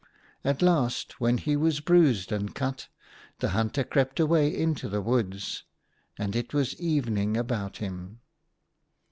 At last, when he was bruised and cut, the hunter crept away into the woods. And it was evening about him.